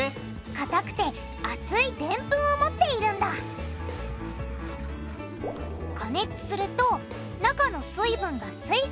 かたくて厚いデンプンを持っているんだ加熱すると中の水分が水蒸気に変わる。